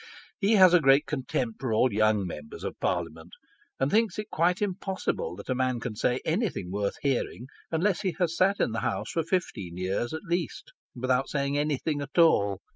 He has a great contempt for all young Members of Parliament, and thinks it quite impossible that a man can say any thing worth hearing, unless he has sat in the House for fifteen years at least, without saying anything at all.